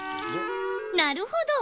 なるほど。